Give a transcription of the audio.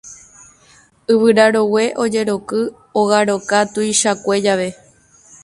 yvyra rogue ojeroky ogaroka tuichakue jave